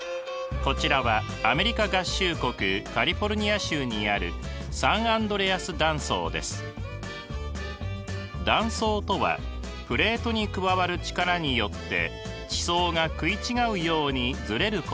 こちらはアメリカ合衆国カリフォルニア州にある断層とはプレートに加わる力によって地層が食い違うようにずれることです。